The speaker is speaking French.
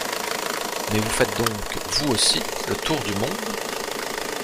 Mais vous faites donc, vous aussi, le tour du monde?